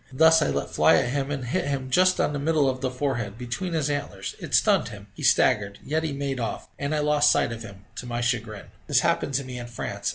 Thus I let fly at him, and hit him just on the middle of the forehead, between his antlers; it stunned him he staggered yet he made off, and I lost sight of him, to my chagrin. This happened to me in France.